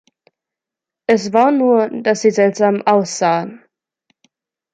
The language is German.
Es war nur, dass Sie seltsam aussahen.